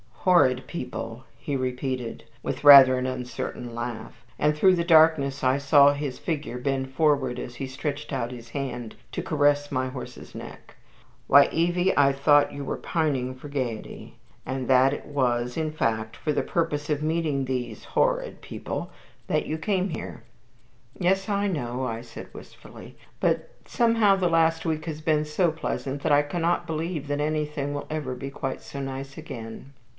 "Horrid people," he repeated, with rather an uncertain laugh, and through the darkness I saw his figure bend forward as he stretched out his hand to caress my horse's neck. "Why, Evie, I thought you were pining for gayety, and that it was, in fact, for the purpose of meeting these 'horrid people' that you came here." "Yes, I know," I said, wistfully; "but somehow the last week has been so pleasant that I cannot believe that anything will ever be quite so nice again."